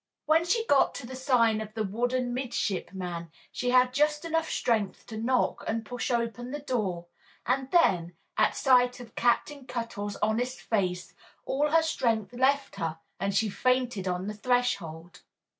When she got to the sign of the wooden midshipman she had just enough strength to knock and push open the door, and then, at sight of Captain Cuttle's honest face, all her strength left her, and she fainted on the threshold.